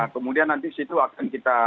kemudian nanti situ akan kita